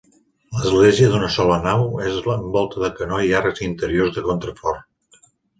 L'església d'una sola nau, és amb volta de canó i arcs interiors de contrafort.